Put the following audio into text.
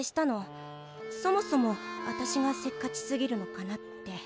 そもそも私がせっかちすぎるのかなって。